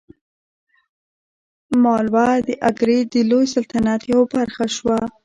مالوه د اګرې د لوی سلطنت یوه برخه شوه.